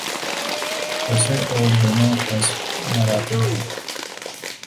اثر اور دونوں حسب مراتب ہیں۔